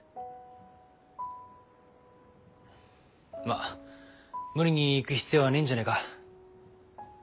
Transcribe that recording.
まっ無理に行く必要はねえんじゃねえか。